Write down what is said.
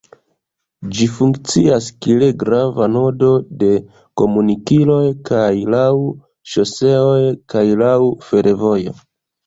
Ĝi funkcias kiel grava nodo de komunikiloj kaj laŭ ŝoseoj kaj laŭ fervojo.